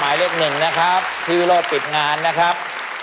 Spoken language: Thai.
หมายเลขหนึ่งนะครับพี่วิโรธปิดงานนะครับ